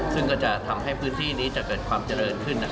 ซึ่งก็จะทำให้พื้นที่นี้จะเกิดความเจริญขึ้น